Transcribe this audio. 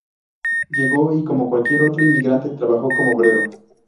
Llegó y como cualquier otro inmigrante trabajó como obrero.